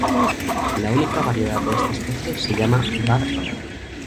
La única variedad de esta especie se llama "var.